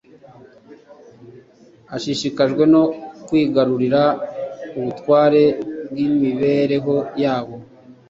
ashishikajwe no kwigarurira ubutware bw’imibereho yabo